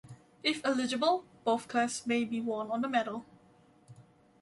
If eligible, both clasps may be worn on the medal.